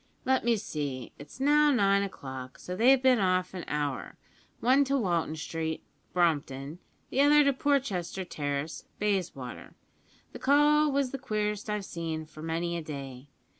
"Let me see; it's now nine o'clock, so they've bin off an hour; one to Walton Street, Brompton; the other to Porchester Terrace, Bayswater. The call was the queerest I've seen for many a day.